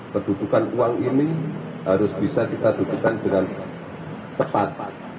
kedudukan uang ini harus bisa kita dudukan dengan tepat